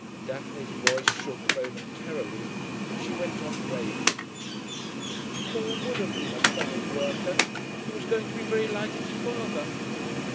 Daphne's voice shook momentarily, but she went on bravely: 'Paul would have been a fine worker. He was going to be very like his father.